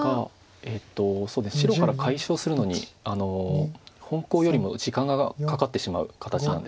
えっと白から解消するのに本コウよりも時間がかかってしまう形なんです。